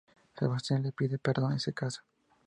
Sebastian la pide perdón y se casan.